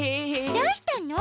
どうしたの？